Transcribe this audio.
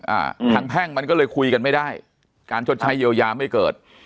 อ่าทางแพ่งมันก็เลยคุยกันไม่ได้การชดใช้เยียวยาไม่เกิด